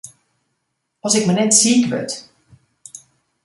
As ik mar net siik wurd!